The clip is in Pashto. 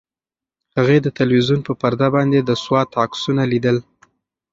هغې د تلویزیون په پرده باندې د سوات عکسونه لیدل.